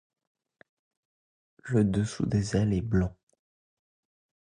Le dessous des ailes est blanc.